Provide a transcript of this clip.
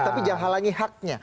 tapi jangan halangi haknya